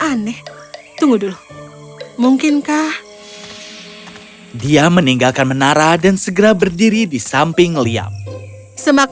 aneh tunggu dulu mungkinkah dia meninggalkan menara dan segera berdiri di samping liam semakin